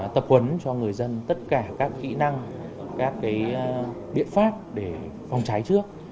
tập huấn cho người dân tất cả các kỹ năng các biện pháp để phòng trái trước